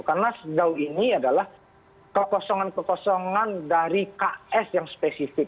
karena da'u ini adalah kekosongan kekosongan dari ks yang spesifik